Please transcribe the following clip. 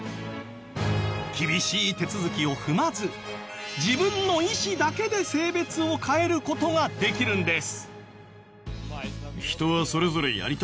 厳しい手続きを踏まず自分の意思だけで性別を変える事ができるんです。